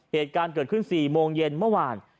เหตุการณ์เกิดขึ้น๔โมงเย็นเมื่อวาน